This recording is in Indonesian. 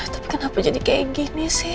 tapi kenapa jadi kayak gini sih